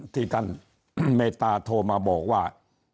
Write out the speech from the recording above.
ที่ท่านเมตตาโทรมาบอกว่า